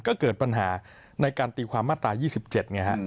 ก็เกิดปัญหาในการตีความมาตรายี่สิบเจ็ดไงฮะ